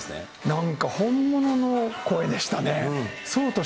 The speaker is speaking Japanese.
なんか本物の声でしたね。